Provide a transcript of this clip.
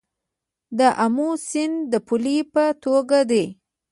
د امو سیند د پولې په توګه دی